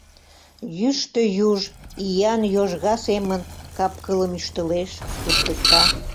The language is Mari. Йӱштӧ юж иян йожга семын кап-кылым ӱштылеш, туртыкта.